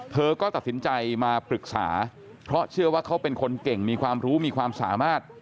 เธอก็ตัดสินใจมาปรึกษาเพราะเชื่อว่าเขาเป็นคนเก่งมีความรู้มีความสามารถ